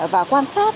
và quan sát